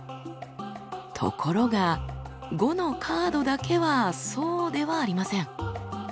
ところが「５」のカードだけはそうではありません。